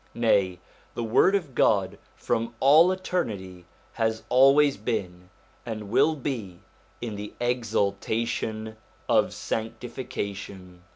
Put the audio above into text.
Nay, the Word of God from all eternity has always been, and will be, in the exaltation of sanctification.